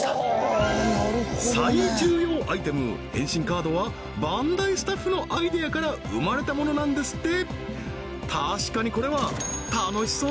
カードはバンダイスタッフのアイデアから生まれたものなんですって